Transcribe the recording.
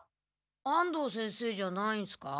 安藤先生じゃないんすか？